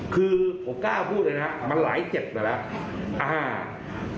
คือผมกล้าพูดเลยนะครับมันหลายเจ็บมาแล้ว